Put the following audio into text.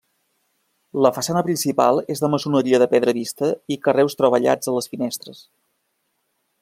La façana principal és de maçoneria de pedra vista i carreus treballats a les finestres.